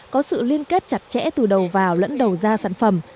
có sự liên kết chặt chẽ từ đầu vào lẫn đầu ra sản phẩm